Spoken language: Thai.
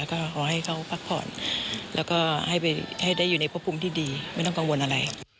ก็ขอให้เขาพักผ่อนแล้วก็ให้ได้อยู่ในพบภูมิที่ดีไม่ต้องกังวลอะไร